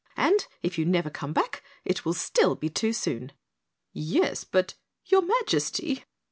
And if you never come back it will still be too soon." "Yes, but your MAJESTY!"